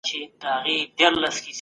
ايا پخوا ټولنپوهنه يو جلا علم و؟